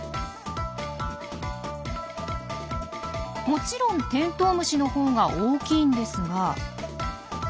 もちろんテントウムシのほうが大きいんですが。